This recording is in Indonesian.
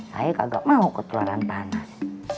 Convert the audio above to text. saya kagak mau ketularan panas